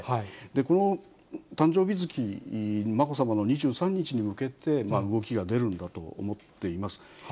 この誕生日月、まこさまの２３日に向けて動きが出るんだと思っています。